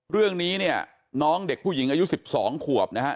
เรื่องนี้เนี่ยน้องเด็กผู้หญิงอายุ๑๒ขวบนะฮะ